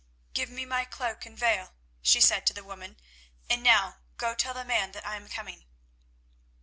"Give me my cloak and veil," she said to the woman, "and now go tell the man that I am coming."